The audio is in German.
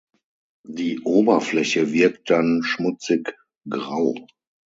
Die Oberfläche wirkt dann schmutzig-grau.